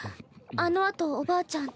あのあとおばあちゃん